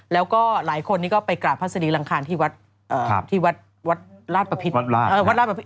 แล้วก็หลายคนนี้ก็ไปกราบพระศรีรังคารที่วัดลาดประพิติ